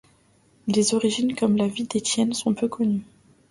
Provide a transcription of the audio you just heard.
Les origines comme la vie d'Étienne sont peu connues.